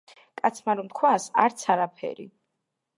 კაცმა რომ თქვას, არც არაფერი!